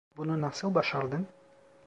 Bunu nasıl başardın?